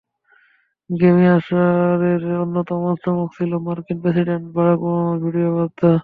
Grammy আসরের অন্যতম চমক ছিল মার্কিন প্রেসিডেন্ট বারাক ওবামার ভিডিও বার্তা।